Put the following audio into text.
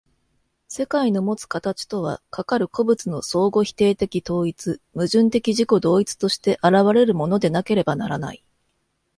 世界のもつ形とは、かかる個物の相互否定的統一、矛盾的自己同一として現れるものでなければならない。